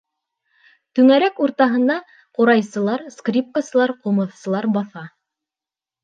Түңәрәк уртаһына ҡурайсылар, скрипкасылар, ҡумыҙсылар баҫа.